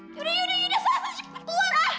yudah yudah yudah saya harus pergi ke tuan ah